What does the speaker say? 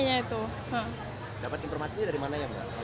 dapat informasinya dari mana